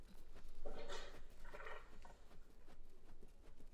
Intuice je předmětem rozsáhlého experimentálního výzkumu v současné psychologii.